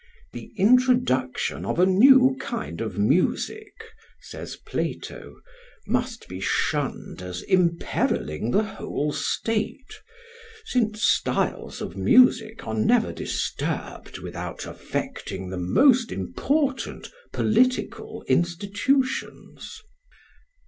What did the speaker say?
"The introduction of a new kind of music," says Plato, "must be shunned as imperilling the whole state; since styles of music are never disturbed without affecting the most important political institutions."